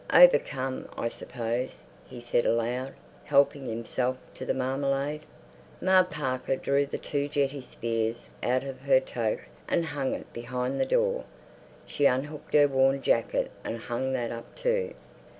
"Overcome, I suppose," he said aloud, helping himself to the marmalade. Ma Parker drew the two jetty spears out of her toque and hung it behind the door. She unhooked her worn jacket and hung that up too.